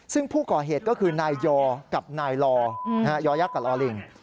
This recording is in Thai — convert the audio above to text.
ซึ่งผู้ก่อเหตุก็คือนายยอกับนายลอยอยักษ์กับลอลิง